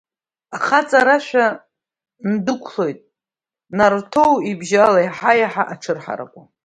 Ахаҵарашәа ндәықәлоит Нарҭоу ибжьы ала, еиҳа-еиҳа аҽыҳаракуа…